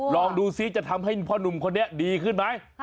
ลองดูซิจะทำให้พ่อหนุ่มคนนี้ดีขึ้นไหม